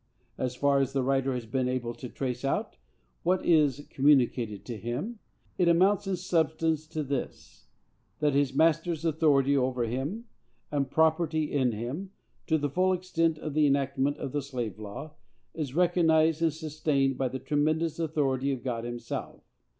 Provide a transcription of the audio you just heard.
As far as the writer has been able to trace out what is communicated to him, it amounts in substance to this; that his master's authority over him, and property in him, to the full extent of the enactment of slave law, is recognized and sustained by the tremendous authority of God himself.